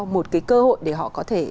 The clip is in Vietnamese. một cái cơ hội để họ có thể